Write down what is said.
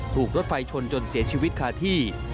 ถูกรถไฟชนจนเสียชีวิตคาที่